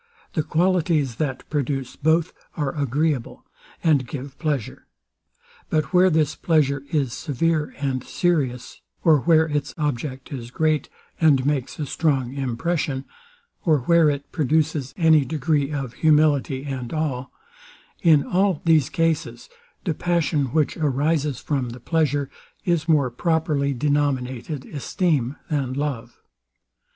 The qualities, that produce both, are agreeable, and give pleasure. But where this pleasure is severe and serious; or where its object is great, and makes a strong impression; or where it produces any degree of humility and awe: In all these cases, the passion, which arises from the pleasure, is more properly denominated esteem than love.